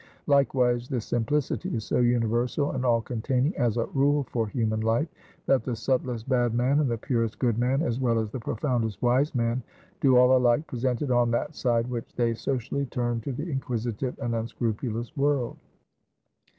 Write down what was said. Likewise this simplicity is so universal and all containing as a rule for human life, that the subtlest bad man, and the purest good man, as well as the profoundest wise man, do all alike present it on that side which they socially turn to the inquisitive and unscrupulous world.